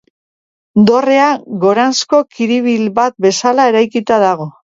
Dorrea goranzko kiribil bat bezala eraikita dago.